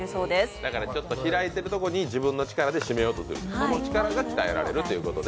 だからちょっと開いてるところに、自分の力で閉めようとするこの力が鍛えられるということで。